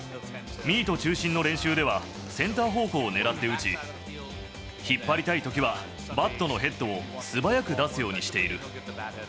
ミート中心の練習ではセンター方向を狙って打ち、引っ張りたいときは、バットのヘッドを素早く出すようにしている。